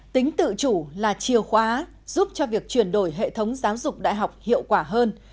tính tự chủ là chiều khóa giúp cho việc chuyển đổi hệ thống giáo dục đại học hiệu quả hơn